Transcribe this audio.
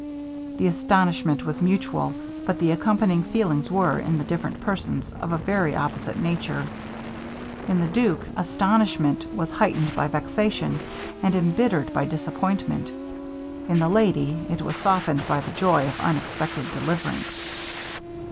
The astonishment was mutual, but the accompanying feelings were, in the different persons, of a very opposite nature. In the duke, astonishment was heightened by vexation, and embittered by disappointment: in the lady, it was softened by the joy of unexpected deliverance.